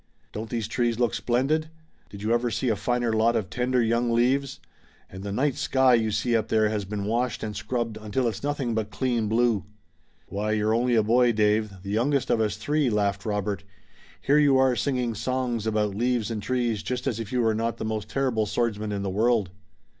Don't these trees look splendid! Did you ever see a finer lot of tender young leaves? And the night sky you see up there has been washed and scrubbed until it's nothing but clean blue!" "Why, you're only a boy, Dave, the youngest of us three," laughed Robert. "Here you are singing songs about leaves and trees just as if you were not the most terrible swordsman in the world."